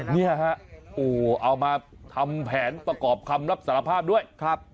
นี่ฮะโอ้เอามาทำแผนประกอบคำรับสารภาพด้วยครับ